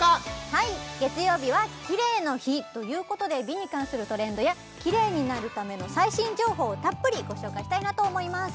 はい月曜日はキレイの日ということで美に関するトレンドやキレイになるための最新情報をたっぷりご紹介したいなと思います